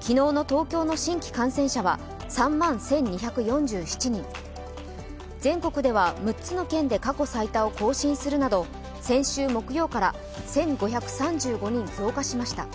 昨日の東京の新規感染者は３万１２４７人、全国では、６つの県で過去最多を更新するなど先週木曜から１５３５人増加しました。